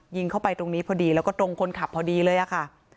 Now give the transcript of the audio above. ยิงเข้าไปตรงนี้พอดีแล้วก็ตรงคนขับพอดีเลยค่ะ